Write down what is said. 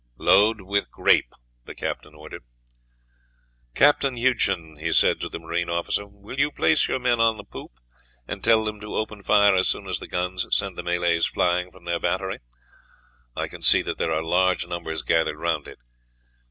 "Load with grape," the captain ordered. "Captain Hugeson," he said to the Marine officer, "will you place your men on the poop, and tell them to open fire as soon as the guns send the Malays flying from their battery? I can see that there are large numbers gathered round it.